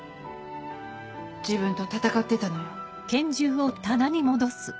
自分と闘ってたのよ。